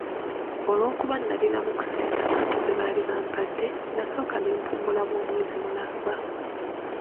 Olw'okuba nalinamu ku ssente abantu ze baali bampadde, nasooka ne mpummula omwezi mulamba.